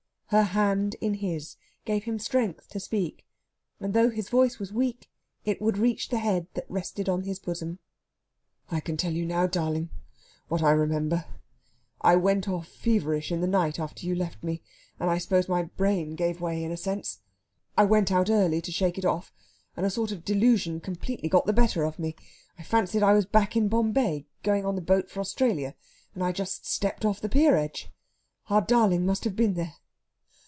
Her hand in his gave him strength to speak, and though his voice was weak it would reach the head that rested on his bosom. "I can tell you now, darling, what I remember. I went off feverish in the night after you left me, and I suppose my brain gave way, in a sense. I went out early to shake it off, and a sort of delusion completely got the better of me. I fancied I was back at Bombay, going on the boat for Australia, and I just stepped off the pier edge. Our darling must have been there.